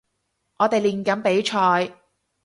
我哋練緊比賽